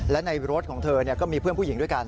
และในรถของเธอก็มีเพื่อนผู้หญิงด้วยกัน